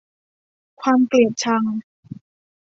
ความเกลียดชัง